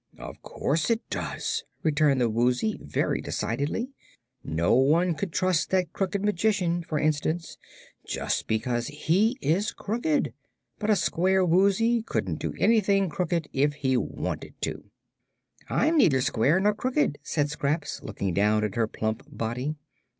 "Of course it does," returned the Woozy, very decidedly. "No one could trust that Crooked Magician, for instance, just because he is crooked; but a square Woozy couldn't do anything crooked if he wanted to." "I am neither square nor crooked," said Scraps, looking down at her plump body.